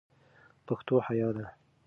پښتو حیا ده